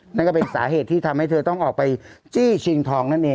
นั่นก็เป็นสาเหตุที่ทำให้เธอต้องออกไปจี้ชิงทองนั่นเอง